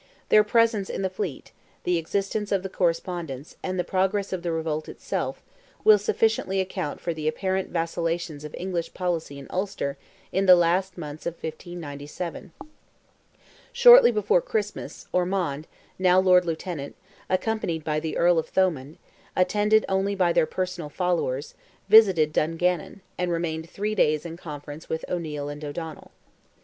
Their presence in the fleet, the existence of the correspondence, and the progress of the revolt itself, will sufficiently account for the apparent vacillations of English policy in Ulster in the last months of 1597. Shortly before Christmas, Ormond, now Lord Lieutenant, accompanied by the Earl of Thomond, attended only by their personal followers, visited Dungannon, and remained three days in conference with O'Neil and O'Donnell.